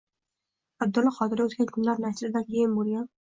Abdulla Qodiriy “Oʻtgan kunlar” nashridan keyin bo'lgan